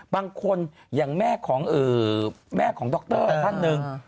บางคนอย่างแม่ของแม่ของดรท่านหนึ่ง